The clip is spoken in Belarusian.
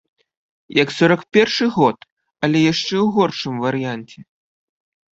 Як сорак першы год, але яшчэ ў горшым варыянце.